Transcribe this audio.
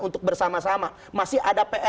untuk bersama sama masih ada